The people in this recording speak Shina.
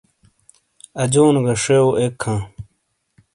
اجونو گہ شیوؤ ایک ہاں۔